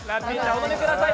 お飲みください。